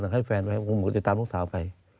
อาจจะให้แฟนไปผมก็ตามลูกสาวไป